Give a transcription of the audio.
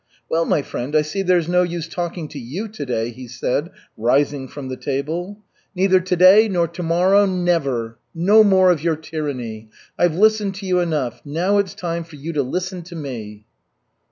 "Well, my friend, I see there's no use talking to you to day," he said, rising from the table. "Neither to day, nor to morrow never! No more of your tyranny! I've listened to you enough; now it's time for you to listen to me."